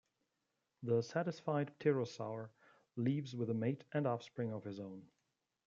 The satisfied pterosaur leaves with a mate and offspring of his own.